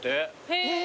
へえ。